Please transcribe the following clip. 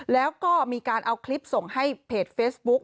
แล้วก็มีการเอาคลิปส่งให้เพจเฟซบุ๊ก